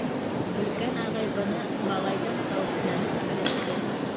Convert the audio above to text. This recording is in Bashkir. — Өлкән Ағай быны малайҙан хәүефләнеп белеште.